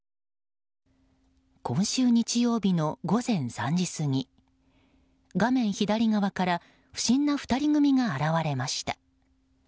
今週日曜日の午前３時過ぎ画面左側から不審な２人組が現れました。